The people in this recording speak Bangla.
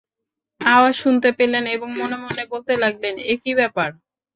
আওয়াজ শুনতে পেলেন এবং মনে মনে বলতে লাগলেন, একি ব্যাপার?